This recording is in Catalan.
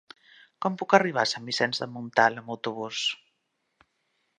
Com puc arribar a Sant Vicenç de Montalt amb autobús?